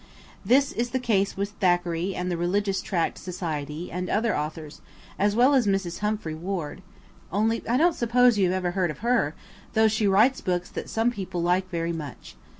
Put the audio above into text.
This is the case with Thackeray and the Religious Tract Society and other authors, as well as Mrs. Humphrey Ward. Only I don't suppose you have ever heard of her, though she writes books that some people like very much.